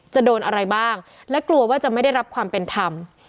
จะโดนอะไรบ้างและกลัวว่าจะไม่ได้รับความเป็นธรรม